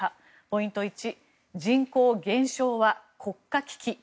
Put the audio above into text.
ポイント１人口減少は国家危機。